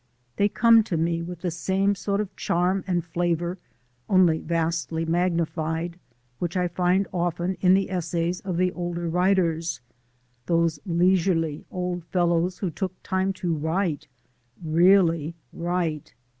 They come to me with the same sort of charm and flavour, only vastly magnified, which I find often in the essays of the older writers those leisurely old fellows who took time to write, REALLY write.